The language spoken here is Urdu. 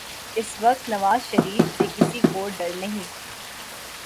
اس وقت نواز شریف سے کسی کو ڈر نہیں۔